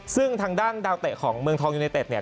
ซึ่งทางด้านดาวเตะของเมืองทองยูเนเต็ดเนี่ย